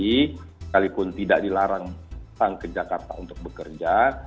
sekalipun tidak dilarang datang ke jakarta untuk bekerja